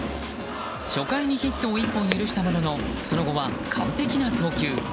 初回にヒットを１本許したもののその後は、完璧な投球。